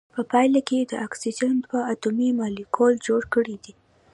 په پایله کې د اکسیجن دوه اتومي مالیکول جوړ کړی دی.